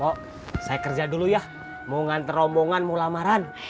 oh saya kerja dulu ya mau ngantar rombongan mau lamaran